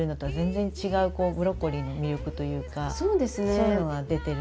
そういうのが出てるかな。